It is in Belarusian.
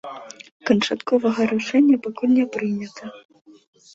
Канчатковага рашэння пакуль не прынята.